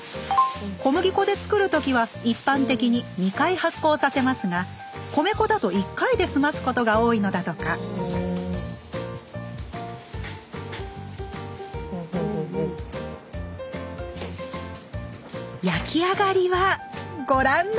小麦粉でつくるときは一般的に２回発酵させますが米粉だと１回で済ますことが多いのだとか焼き上がりはご覧のとおり！